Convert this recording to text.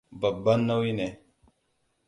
Babban nauyi ne.